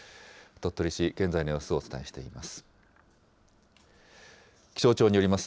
鳥取市、現在の様子をお伝えしています。